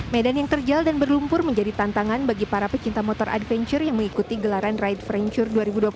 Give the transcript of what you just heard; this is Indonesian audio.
medan yang terjal dan berlumpur menjadi tantangan bagi para pecinta motor adventure yang mengikuti gelaran right franchure dua ribu dua puluh satu